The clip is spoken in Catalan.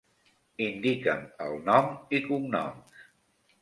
Indica'm el nom i cognoms.